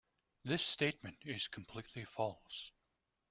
This statement is completely false.